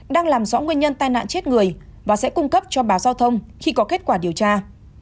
đang làm rõ nguyên nhân tai nạn chết người và sẽ cung cấp cho bà giao thông khi có kết quả điều tra